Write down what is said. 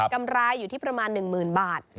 กำไรอยู่ที่ประมาณ๑๐๐๐บาท